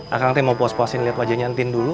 akang mau puas puasin liat wajahnya tin dulu